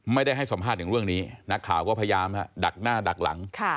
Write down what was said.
ให้สัมภาษณ์ถึงเรื่องนี้นักข่าวก็พยายามดักหน้าดักหลัง